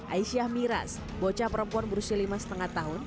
aisyah miras bocah perempuan berusia lima lima tahun